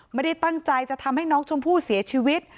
ไม่ได้ตั้งใจจะทำให้น้องชมพู่เสียชีวิต